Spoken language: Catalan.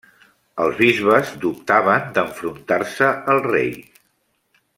Els bisbes dubtaven d'enfrontar-se al rei.